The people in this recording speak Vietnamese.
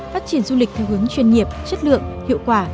phát triển du lịch theo hướng chuyên nghiệp chất lượng hiệu quả